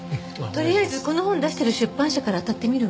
とりあえずこの本出してる出版社からあたってみるわ。